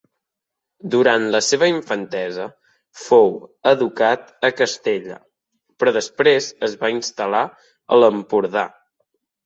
Durant la seva infantesa fou educat a Castella, però després es va instal·lar a l'Empordà.